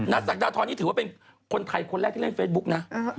ศักดาทรนี่ถือว่าเป็นคนไทยคนแรกที่เล่นเฟซบุ๊กนะ